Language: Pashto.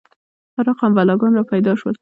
هر رقم بلاګان را پیدا شول.